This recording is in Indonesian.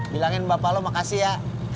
bilangin bapak lo makasih ya